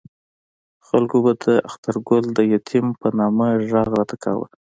خلکو به د اخترګل د یتیم په نامه غږ راته کاوه.